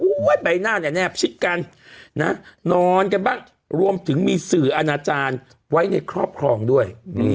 ใบหน้าเนี่ยแนบชิดกันนะนอนกันบ้างรวมถึงมีสื่ออาณาจารย์ไว้ในครอบครองด้วย